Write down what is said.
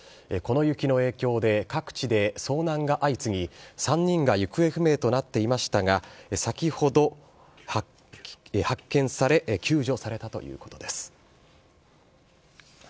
この雪の影響で、各地で遭難が相次ぎ、３人が行方不明となっていましたが、先ほど、発見され、救助されたということです。